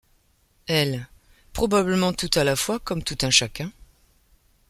Elle : Probablement tout à la fois, comme tout un chacun.